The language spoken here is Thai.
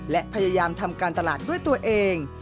และพยายามทำการตลาดด้วยตัวเอง